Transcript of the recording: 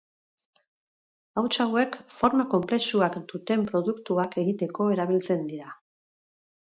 Hauts hauek forma konplexuak duten produktuak egiteko erabiltzen dira.